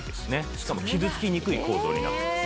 しかも傷つきにくい構造になってます。